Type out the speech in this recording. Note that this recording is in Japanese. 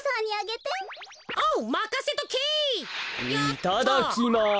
いただきます。